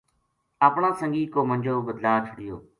اپنا سنگی کو منجو بدلا چھڑیو